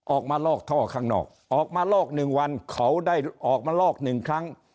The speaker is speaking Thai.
อกท่อข้างนอกออกมาลอกหนึ่งวันเขาได้ออกมาลอกหนึ่งครั้ง